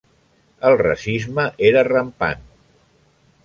El racisme era rampant.